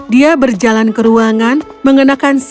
dia berjalan ke ruangan mengenakan sisi ini